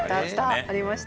ありました。